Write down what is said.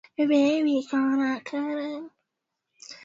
Mlima Mtorwi wenye mita elfu mbili mia tisa sitini na moja